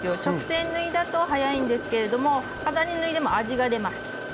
直線縫いだと速いんですけれども飾り縫いでも味が出ます。